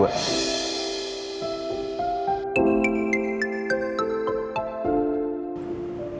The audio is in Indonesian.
gue butuh kalian berdua